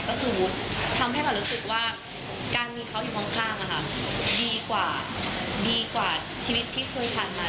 คือที่เพียรษทีคงทำให้การมีเขาอยู่ข้างดีกว่าชีวิตที่เคยทานมา